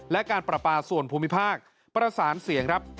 และการประปาส่วนภูมิภาคประสานเสียงครับ